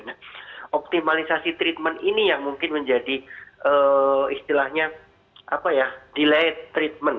nah optimalisasi treatment ini yang mungkin menjadi istilahnya delay treatment